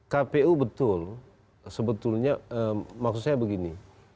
kpu betul sebetulnya maksud saya begini